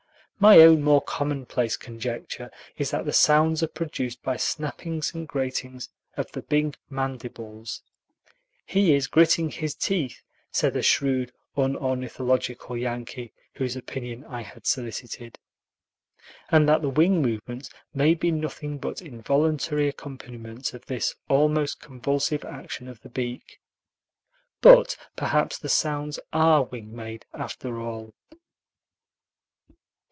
My own more commonplace conjecture is that the sounds are produced by snappings and gratings of the big mandibles ("He is gritting his teeth," said a shrewd unornithological Yankee, whose opinion I had solicited), and that the wing movements may be nothing but involuntary accompaniments of this almost convulsive action of the beak. But perhaps the sounds are wing made, after all.